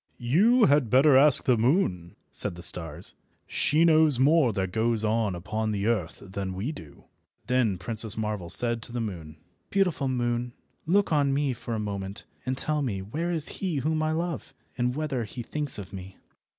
"You had better ask the moon," said the stars. "She knows more that goes on upon the earth than we do." Then Princess Marvel said to the moon— "Beautiful moon, look on me for a moment, and tell me where is he whom I love, and whether he thinks of me."